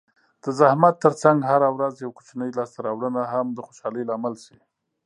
د زحمت ترڅنګ هره ورځ یوه کوچنۍ لاسته راوړنه هم د خوشحالۍ لامل شي.